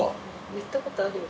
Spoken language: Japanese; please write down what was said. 言ったことあるよ